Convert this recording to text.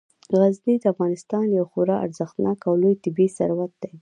غزني د افغانستان یو خورا ارزښتناک او لوی طبعي ثروت دی.